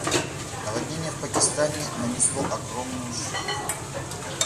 Наводнение в Пакистане нанесло огромный ущерб.